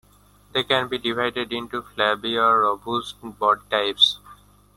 They can be divided into flabby or robust body types.